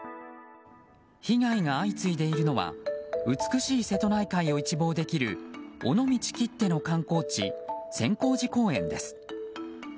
被害が相次いでいるのは美しい瀬戸内海を一望できる尾道きっての観光地千光寺公園です。